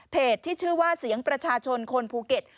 ที่ชื่อว่าเสียงประชาชนคนภูเก็ต